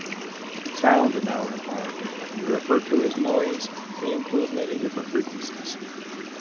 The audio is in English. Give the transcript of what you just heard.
Sound in our environment that we refer to as "noise" includes many different frequencies.